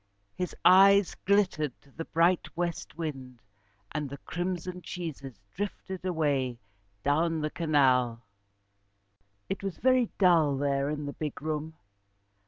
His eyes glittered to the bright West wind, and the crimson cheeses drifted away down the canal. It was very dull there in the big room.